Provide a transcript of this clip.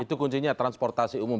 itu kuncinya transportasi umum